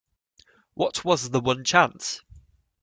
What was the one chance?